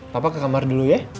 bapak ke kamar dulu ya